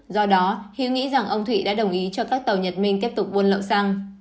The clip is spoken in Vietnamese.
do đó hiếu nghĩ rằng ông thụy đã đồng ý cho các tàu nhật minh tiếp tục buôn lậu xăng